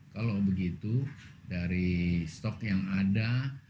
kalau begitu dari stok yang ada